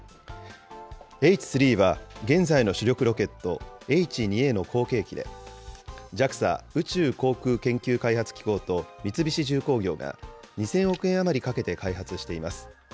Ｈ３は、現在の主力ロケット、Ｈ２Ａの後継機で、ＪＡＸＡ・宇宙航空研究開発機構と三菱重工業が、２０００億円余りかけて開発しています。